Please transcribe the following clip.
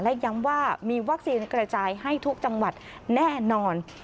และย้ำว่ามีวัคซีนกระจายให้ทุกจังหวัดแน่นอน